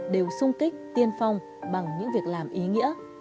đều sung kích tiên phong bằng những việc làm ý nghĩa